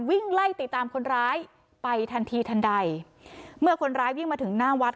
วิ่งไล่ติดตามคนร้ายไปทันทีทันใดเมื่อคนร้ายวิ่งมาถึงหน้าวัด